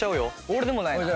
俺でもないな。